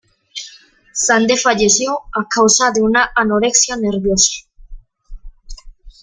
Sande falleció a causa de una anorexia nerviosa.